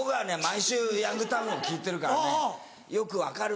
毎週『ヤングタウン』を聴いてるからねよく分かる。